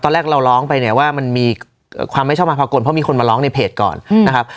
แรกเราร้องไปเนี่ยว่ามันมีความไม่ชอบมาภากลเพราะมีคนมาร้องในเพจก่อนนะครับ